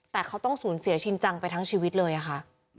แต่เขาต้องสูญเสียชินจังไปทั้งชีวิตเลยค่ะ